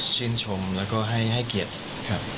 ชื่นชมแล้วก็ให้เกียรติครับ